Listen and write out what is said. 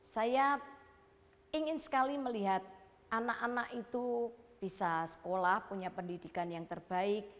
saya ingin sekali melihat anak anak itu bisa sekolah punya pendidikan yang terbaik